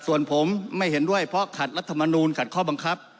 ส่วนผมไม่เห็นด้วยเพราะขัดรัฐมนูลขัดข้อบังคับ